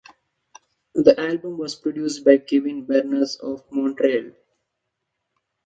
The album was produced by Kevin Barnes of Of Montreal.